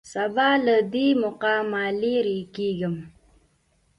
سبا له دې مقامه لېرې کېږم.